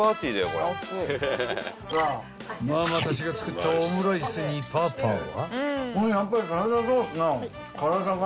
［ママたちが作ったオムライスにパパは］